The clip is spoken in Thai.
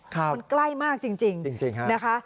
มันใกล้มากจริงนะคะ